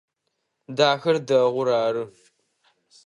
Дахэр дэгъур ары.